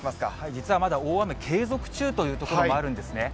実はまだ大雨継続中という所もあるんですね。